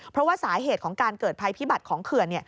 เพราะว่าสาเหตุของการเกิดภัยพิบัติของเขื่อน